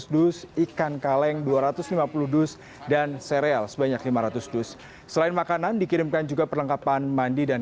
dua ratus dus ikan kaleng dua ratus lima puluh dus dan sereal sebanyak lima ratus dus selain makanan dikirimkan juga perlengkapan mandi dan